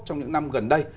trong những năm gần đây